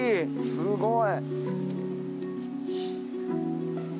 すごい。